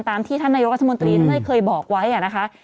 ตามที่ท่านนโยธมนตรีเคยบอกไว้นะคะ